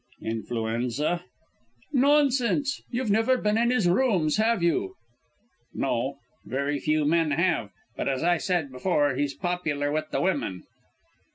"Influenza?" "Nonsense! You've never been in his rooms, have you?" "No. Very few men have. But as I said before, he's popular with the women."